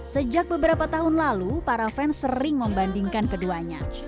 sejak beberapa tahun lalu para fans sering membandingkan keduanya